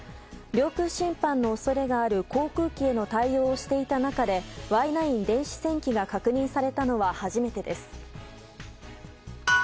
領空侵犯の恐れがある航空機への対応をしていた中でＹ９電子戦機が確認されたのは初めてです。